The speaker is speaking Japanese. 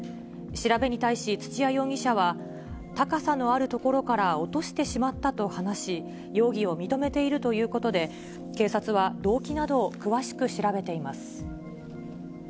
調べに対し土屋容疑者は、高さのある所から落としてしまったと話し、容疑を認めているということで、警察は動機などを詳しく調べています。